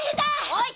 おい！